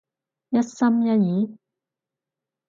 一心一意？